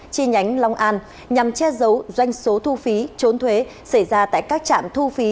chi nhánh long an nhằm che giấu doanh số thu phí trốn thuế xảy ra tại các trạm thu phí